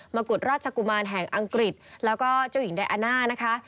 กุฎราชกุมารแห่งอังกฤษแล้วก็เจ้าหญิงไดอาน่านะคะ